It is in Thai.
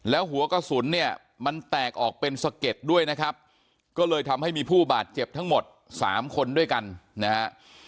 แล้วหัวกระสุนเนี่ยมันแตกออกเป็นสะเก็ดด้วยนะครับก็เลยทำให้มีผู้บาดเจ็บทั้งหมดสามคนด้วยกันนะฮะ